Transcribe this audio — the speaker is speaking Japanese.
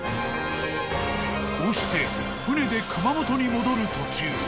［こうして船で熊本に戻る途中］